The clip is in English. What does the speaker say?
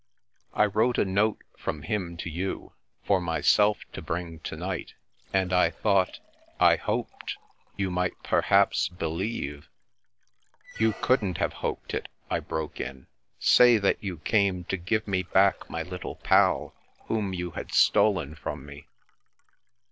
I wrote a note from him to you, for myself to bring to night, and I thought — ^I hoped — ^you might perhaps believe "" You couldn't have hoped it," I broke in. " Say that you came to give me back my Little Pal, whom you had stolen from me."